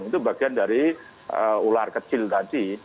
itu bagian dari ular ketiga